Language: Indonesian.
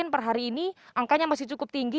per hari ini angkanya masih cukup tinggi